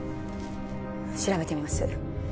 調べてみます